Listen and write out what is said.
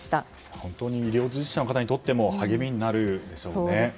本当に医療従事者の方にとっても励みになるでしょうね。